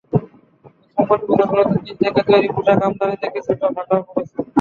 তবে সম্প্রতি বছরগুলোয় চীন থেকে তৈরি পোশাক আমদানিতে কিছুটা ভাটা পড়েছে।